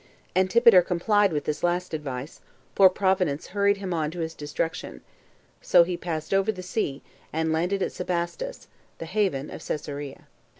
Antipater complied with this last advice, for Providence hurried him on [to his destruction]. So he passed over the sea, and landed at Sebastus, the haven of Cesarea.